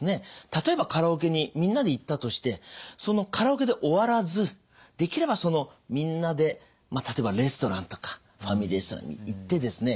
例えばカラオケにみんなで行ったとしてそのカラオケで終わらずできればそのみんなで例えばレストランとかファミリーレストランに行ってですね